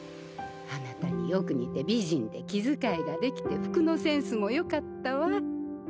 あなたによく似て美人で気遣いができて服のセンスもよかったわ。